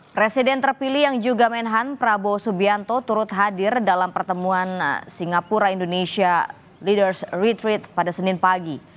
presiden terpilih yang juga menhan prabowo subianto turut hadir dalam pertemuan singapura indonesia leaders retreat pada senin pagi